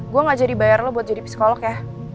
gue ngajari bayar lo buat jadi psikolog ya